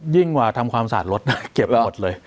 ยิ่งว่าทำความสาดรถเก็บไปหมดเลย